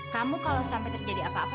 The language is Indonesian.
kamu kalau sampai terjadi apa apa sama fadil